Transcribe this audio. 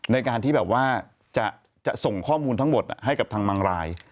ในการที่แบบว่าจะส่งข้อมูลทั้งหมดให้กับทางบางราย